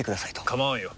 構わんよ。